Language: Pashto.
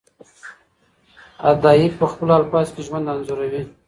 ادئب په خپلو الفاظو کي ژوند انځوروي.